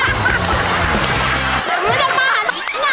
งั้นจะมาหานาย